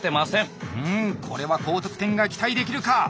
うんこれは高得点が期待できるか！